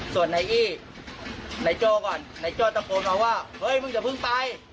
ส่วนในอี้ในโจรก่อนในโจรจะโปรดมาว่าเฮ้ยมึงจะพึ่งไป